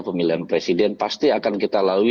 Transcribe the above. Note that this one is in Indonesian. pemilihan presiden pasti akan kita lalui